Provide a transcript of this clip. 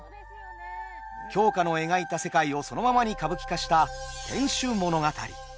鏡花の描いた世界をそのままに歌舞伎化した「天守物語」。